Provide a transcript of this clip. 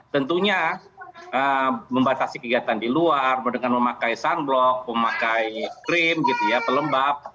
tentunya membatasi kegiatan di luar dengan memakai sunblock memakai krim gitu ya pelembab